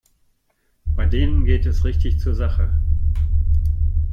Bei denen geht es richtig zur Sache.